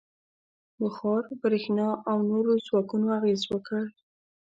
• بخار، برېښنا او نورو ځواکونو اغېز وکړ.